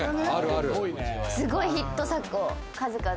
すごいヒット作を数々。